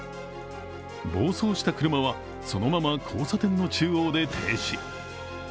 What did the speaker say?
暴走した車はそのまま交差点の中央で停止。